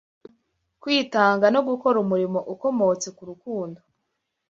kwitanga no gukora umurimo ukomotse ku rukundo